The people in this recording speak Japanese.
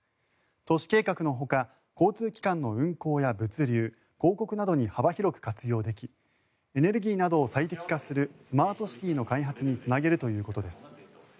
都市計画のほか交通機関の運行や物流広告などに幅広く活用できエネルギーなどを最適化するスマートシティの開発につなげるということです。